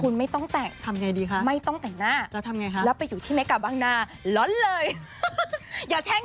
คุณไม่ต้องแต่งไม่ต้องแต่งหน้าแล้วไปอยู่ที่เมกะบังนาร้อนเลยอย่าแช่งกัน